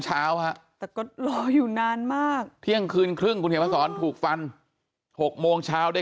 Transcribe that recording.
เช้ารออยู่นานมากเที่ยงคืนครึ่งถูกฟัน๖โมงเช้าได้